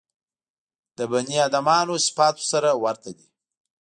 د بني ادمانو صفاتو سره ورته دي.